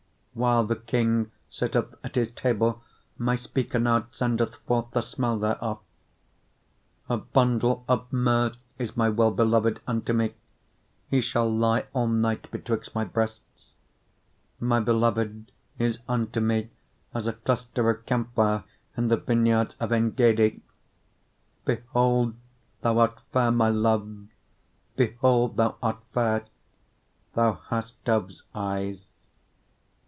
1:12 While the king sitteth at his table, my spikenard sendeth forth the smell thereof. 1:13 A bundle of myrrh is my well beloved unto me; he shall lie all night betwixt my breasts. 1:14 My beloved is unto me as a cluster of camphire in the vineyards of Engedi. 1:15 Behold, thou art fair, my love; behold, thou art fair; thou hast doves' eyes.